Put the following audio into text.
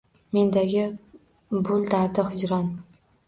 Mendagi bul dardi hijron